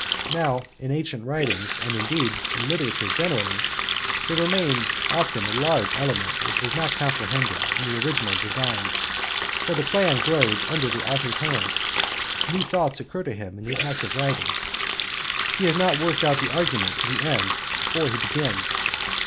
Now in ancient writings, and indeed in literature generally, there remains often a large element which was not comprehended in the original design. For the plan grows under the author's hand; new thoughts occur to him in the act of writing; he has not worked out the argument to the end before he begins.